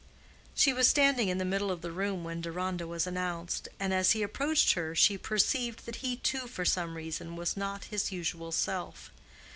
She was standing in the middle of the room when Deronda was announced, and as he approached her she perceived that he too for some reason was not his usual self.